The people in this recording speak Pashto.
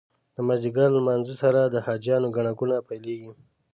د مازدیګر له لمانځه سره د حاجیانو ګڼه ګوڼه پیلېږي.